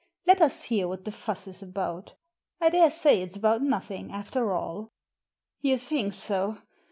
Let us hear what the fuss is about I daresay it*s about nothing after all." "You think so?